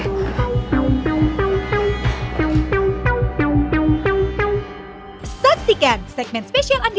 halo semua hai